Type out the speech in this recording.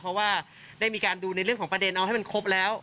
เพราะว่าได้มีการดูในเรื่องของประเด็นเอาให้มันครบแล้ว